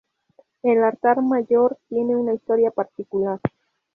El altar mayor tiene una historia particular.